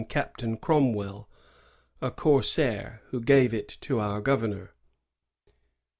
Captain Cromwell, a corsair, who gave it to "our governor."